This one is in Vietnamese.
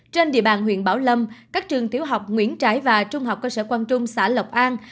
trên địa bàn huyện bảo lâm các trường tiểu học nguyễn trái và trung học cơ sở quang trung xã lộc an